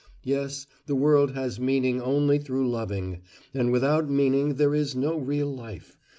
Yes, the world has meaning only through loving, and without meaning there is no real life.